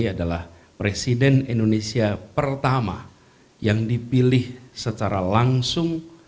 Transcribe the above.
adalah presiden indonesia pertama yang dipilih secara langsung